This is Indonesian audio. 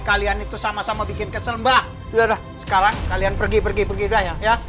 kalian itu sama sama bikin kesel mbah sudah sekarang kalian pergi pergi pergi dah ya ya